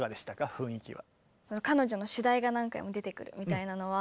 雰囲気は。